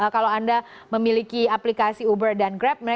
kalau anda memiliki aplikasi uber dan grab